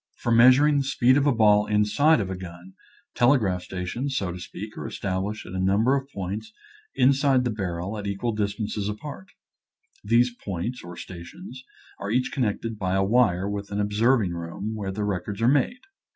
For measuring the speed of a ball inside of a gun, telegraph stations, so to speak, are established at a number of points inside the barrel at equal distances apart. These points, or stations, are each connected by a wire with an observing room, where the records are made.